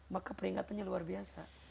maka peringatannya luar biasa